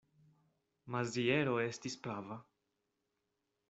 Maziero estis prava.